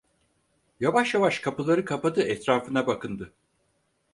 Yavaş yavaş kapıları kapadı, etrafına bakındı…